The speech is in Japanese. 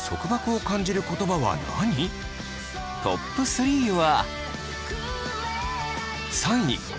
トップ３は。